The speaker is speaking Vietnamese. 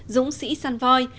dũng sĩ săn voi